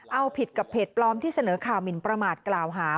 เอาผิดกับเพจปลอมที่เสนอข่าวหมินประมาทกล่าวหา